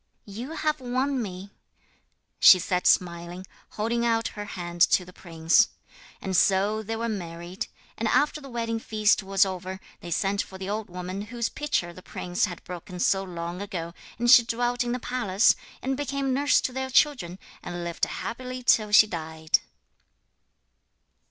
'You have won me,' she said smiling, holding out her hand to the prince. And so they were married: and after the wedding feast was over they sent for the old woman whose pitcher the prince had broken so long ago, and she dwelt in the palace, and became nurse to their children, and lived happily till she died.